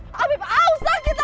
kamu habis telepon siapa